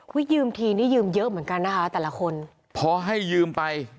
ยืมทีนี่ยืมเยอะเหมือนกันนะคะแต่ละคนพอให้ยืมไป